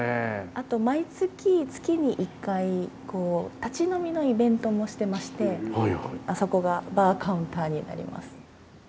あと毎月月に１回立ち飲みのイベントもしてましてあそこがバーカウンターになります。